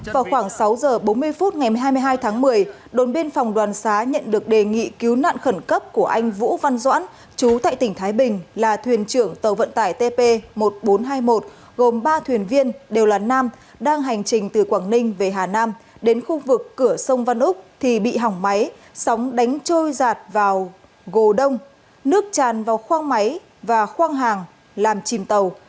vào khoảng sáu giờ bốn mươi phút ngày hai mươi hai tháng một mươi đồn biên phòng đoàn xá nhận được đề nghị cứu nạn khẩn cấp của anh vũ văn doãn chú tại tỉnh thái bình là thuyền trưởng tàu vận tải tp một nghìn bốn trăm hai mươi một gồm ba thuyền viên đều là nam đang hành trình từ quảng ninh về hà nam đến khu vực cửa sông văn úc thì bị hỏng máy sóng đánh trôi giạt vào gồ đông nước tràn vào khoang máy và khoang hàng làm chìm tàu